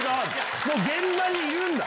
もう現場にいるんだろ。